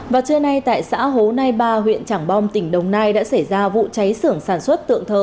vào trưa nay tại xã hố nai ba huyện trảng bom tỉnh đồng nai đã xảy ra vụ cháy sưởng sản xuất tượng thờ